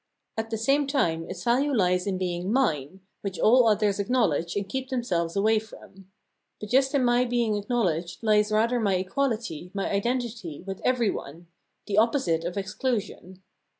At the same time its value lies in being mine, which all others acknowledge and keep themselves away from. But just in my being acknow ledged lies rather my equality, my identity, with every one — the opposite of exclusion.